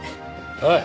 おい！